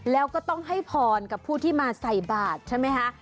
แล้วก็ต้องให้พรกับผู้ที่มาใส่บาทใช่ไหมคะ